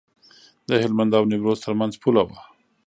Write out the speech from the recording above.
د هلمند او نیمروز ترمنځ پوله وه.